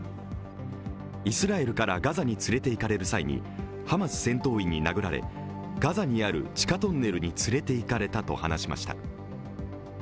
イスラエルからガザに連れていかれる際にハマス戦闘員に殴られガザにある地下トンネルに連れていかれたと話しました。